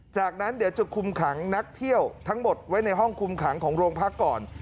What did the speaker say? จากนั้นเดี๋ยวจะคุมขังนักเที่ยวทั้งหมดไว้ในห้องคุมขังของโรงพักก่อน